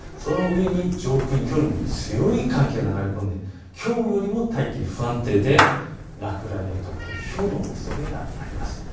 上空にきょうよりも強い寒気が流れ込んで、きょうよりも大気が不安定で落雷や突風、ひょうのおそれがあります。